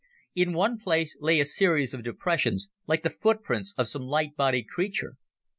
In one place lay a series of depressions, like the footprints of some light bodied creature.